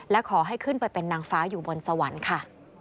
และขอให้ขึ้นไปเป็นนางฟ้าอยู่บนสวรรค์ค่ะ